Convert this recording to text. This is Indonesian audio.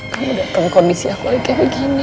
kamu datang kondisi aku lagi kayak begini